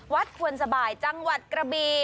ควนสบายจังหวัดกระบี